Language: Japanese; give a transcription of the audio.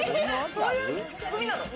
そういう仕組みなの？